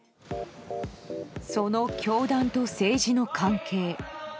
その教団と政治の関係。